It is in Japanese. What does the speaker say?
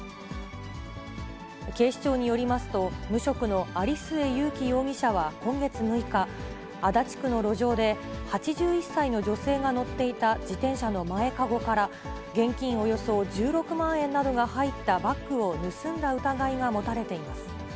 警視庁によりますと、無職の有末悠樹容疑者は今月６日、足立区の路上で、８１歳の女性が乗っていた自転車の前かごから、現金およそ１６万円などが入ったバッグを盗んだ疑いが持たれています。